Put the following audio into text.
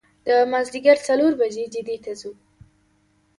د مازدیګر څلور بجې جدې ته ځو.